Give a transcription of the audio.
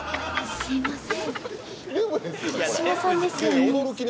すいません。